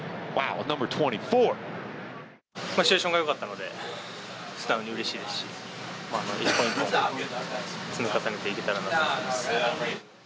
シチュエーションがよかったので、素直にうれしいですし、一本一本積み重ねていけたらなと思っています。